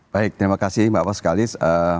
baik terima kasih mbak faskalis